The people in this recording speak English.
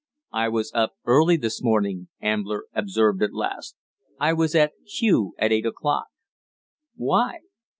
"I was up early this morning," Ambler observed at last. "I was at Kew at eight o'clock." "Why?"